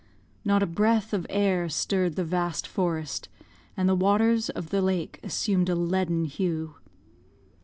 Not a breath of air stirred the vast forest, and the waters of the lake assumed a leaden hue.